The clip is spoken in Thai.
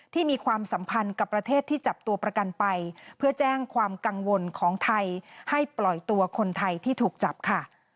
มีความสัมพันธ์กับประเทศที่จับตัวประกันไปเพื่อแจ้งความกังวลของไทยให้ปล่อยตัวคนไทยที่ถูกจับค่ะ